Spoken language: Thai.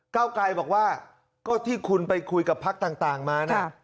เก้าไกรบอกว่าก็ที่คุณไปคุยกับพักต่างมานะ